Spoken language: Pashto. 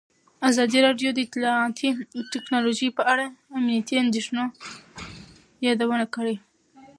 ازادي راډیو د اطلاعاتی تکنالوژي په اړه د امنیتي اندېښنو یادونه کړې.